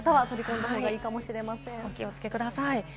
お気をつけください。